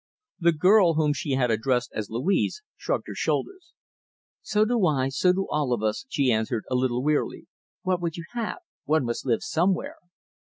The girl whom she had addressed as Louise shrugged her shoulders. "So do I, so do all of us," she answered, a little wearily. "What would you have? One must live somewhere."